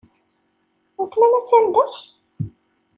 Weltma-m attan da?